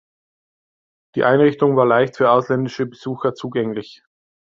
Die Einrichtung war leicht für ausländische Besucher zugänglich.